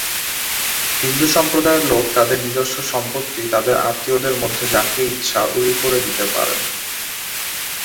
হিন্দু সম্প্রদায়ের লোক তাদের নিজস্ব সম্পত্তি তাদের আত্মীয়দের মধ্যে যাকে ইচ্ছা উইল করে দিতে পারেন।